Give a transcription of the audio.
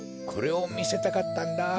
これをみせたかったんだ。